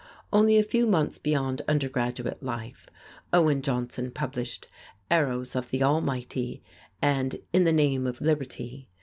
Only a few months beyond undergraduate life Owen Johnson published "Arrows of the Almighty" and "In the Name of Liberty."